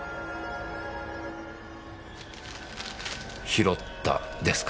拾ったですか。